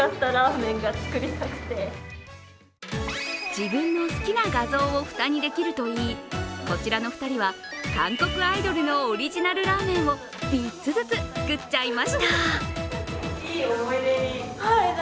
自分の好きな画像を蓋にできるといいこちらの２人は韓国アイドルのオリジナルラーメンを３つずつ作っちゃいました。